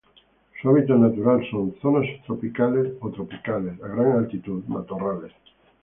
Su hábitat natural son: zonas subtropicales o tropicales, a gran altitud, matorrales.